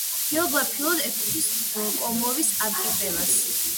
გეოგრაფიულად ეკუთვნის კომორის არქიპელაგს.